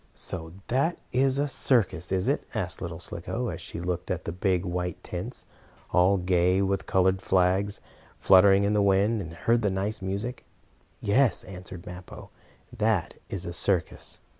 "So that is a circus, is it?" asked little Slicko, as she looked at the big, white tents, all gay with colored flags, fluttering in the wind, and heard the nice music. "Yes," answered Mappo, "that is a circus."